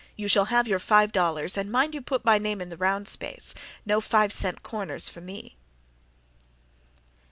You shall have your five dollars, and mind you put my name in the round space. No five cent corners for me."